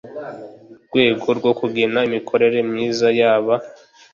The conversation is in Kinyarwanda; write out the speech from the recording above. rwego rwo kugena imikorere myiza yaba